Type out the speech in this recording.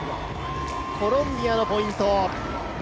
コロンビアのポイント。